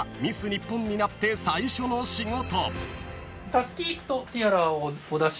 日本になって最初の仕事］